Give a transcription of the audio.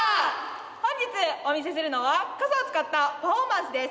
本日お見せするのは傘を使ったパフォーマンスです。